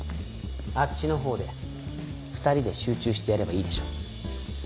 あっちの方で２人で集中してやればいいでしょ。